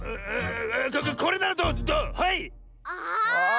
これならどう⁉はい！ああ！